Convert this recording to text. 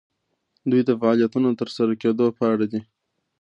دوی د فعالیتونو د ترسره کیدو په اړه دي.